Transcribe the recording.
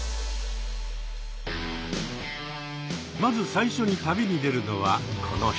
まず最初に旅に出るのはこの人。